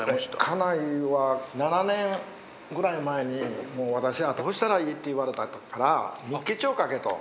家内は７年ぐらい前にもう私はどうしたらいい？って言われたから日記帳を書けと。